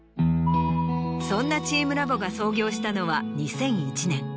そんなチームラボが創業したのは２００１年。